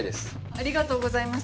ありがとうございます